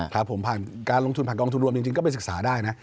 ครับผมผ่านการลงทุนผ่านกองทุนรวมจริงก็ไปศึกษาได้นะ